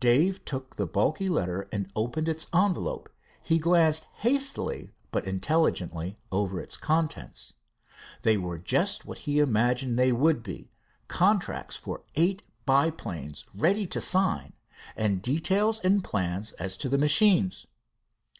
Dave took the bulky letter and opened its envelope. He glanced hastily but intelligently over its contents. They were just what he imagined they would be, contracts for eight biplanes ready to sign, and details and plans as to the machines.